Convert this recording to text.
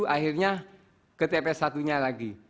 akhirnya ke tps satu nya lagi